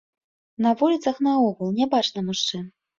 На вуліцах наогул нябачна мужчын.